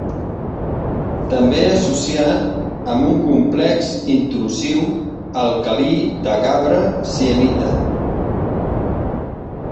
També associat amb un complex intrusiu alcalí de gabre-sienita.